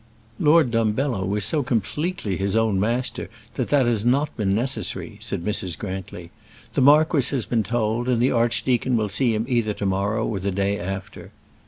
"Lord Dumbello is so completely his own master that that has not been necessary," said Mrs. Grantly. "The marquis has been told, and the archdeacon will see him either to morrow or the day after."